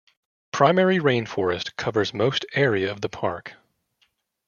Primary rain forest covers most area of the park.